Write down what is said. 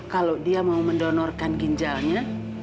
kalau dia mau mendonorkan ginjalnya